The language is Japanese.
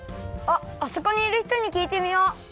あそこにいるひとにきいてみよう。